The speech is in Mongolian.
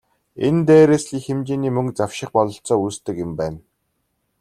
Энэ дээрээс л их хэмжээний мөнгө завших бололцоо үүсдэг юм байна.